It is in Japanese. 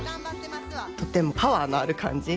とてもパワーのある感じ。